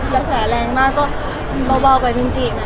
เบ้านะคะหนูยังไม่ได้ทำอะไรเลย